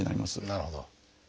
なるほど。